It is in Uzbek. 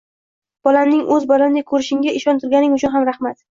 Bolamni o`z bolangdek ko`rishingga ishontirganing uchun ham rahmat